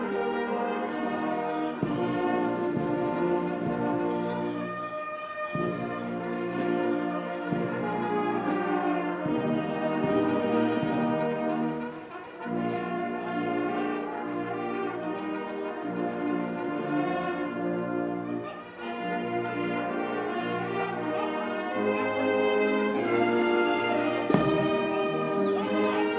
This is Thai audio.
เพื่อนบุคคลศัพท์ในโรงวัยไทย